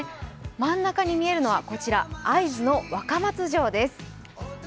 真ん中に見えるのは会津の若松城です。